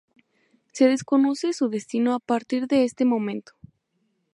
Se desconoce su destino a partir de este momento.